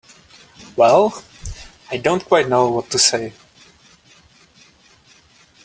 Well—I don't quite know what to say.